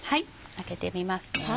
開けてみますね。